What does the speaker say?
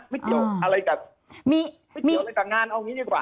ไม่เกี่ยวกับงานเอางี้ดีกว่า